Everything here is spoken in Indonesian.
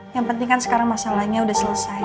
yang penting kan sekarang masalahnya sudah selesai